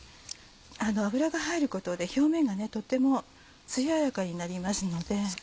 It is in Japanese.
油が入ることで表面がとてもつややかになりますので。